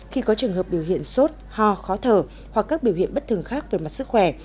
khi có trường hợp biểu hiện sốt ho khó thở hoặc các biểu hiện bất thường khác về mặt sức khỏe